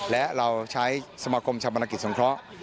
และเราใช้สมชมสงเคราะห์